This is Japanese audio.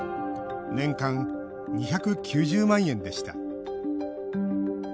年間２９０万円でした。